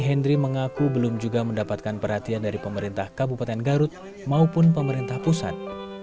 hendri mengaku belum juga mendapatkan perhatian dari pemerintah kabupaten garut maupun pemerintah pusat